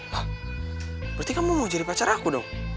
hah berarti kamu mau jadi pacar aku dong